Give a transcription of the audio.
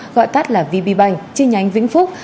gọi tắt là vb bank chi nhánh vĩnh phúc